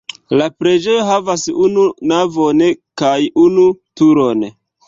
La preĝejo havas unu navon kaj unu turon.